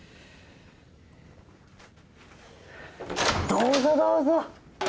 どうぞどうぞ。